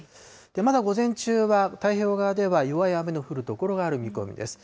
まだ午前中は、太平洋側では弱い雨の降る所がある見込みです。